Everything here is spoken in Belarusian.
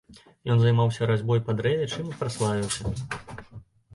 Ён займаўся разьбой па дрэве, чым і праславіўся.